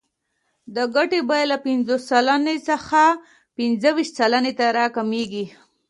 د ګټې بیه له پنځوس سلنې څخه پنځه ویشت سلنې ته راکمېږي